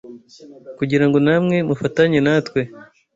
kugira ngo namwe mufatanye natwe,